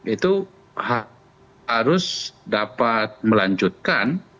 itu harus dapat melanjutkan